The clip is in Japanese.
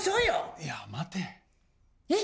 いや待て。え？